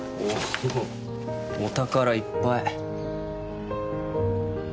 お宝いっぱい。